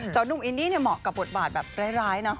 แต่หนุ่มอินดี้เนี่ยเหมาะกับบทบาทแบบร้ายเนอะ